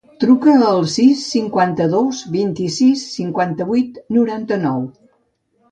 Truca al sis, cinquanta-dos, vint-i-sis, cinquanta-vuit, noranta-nou.